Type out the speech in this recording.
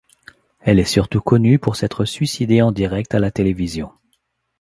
Elle est surtout connue pour s'être suicidée en direct à la télévision.